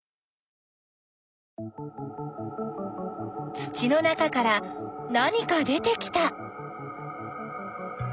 土の中から何か出てきた。